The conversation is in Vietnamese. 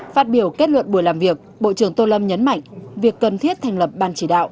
phát biểu kết luận buổi làm việc bộ trưởng tô lâm nhấn mạnh việc cần thiết thành lập ban chỉ đạo